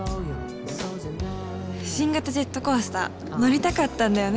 新型ジェットコースター乗りたかったんだよね。